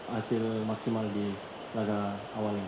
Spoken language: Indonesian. hasil maksimal di laga awal ini